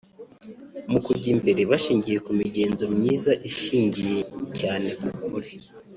mu kujya imbere bashingiye ku migenzo myiza ishingiye cyane ku kuri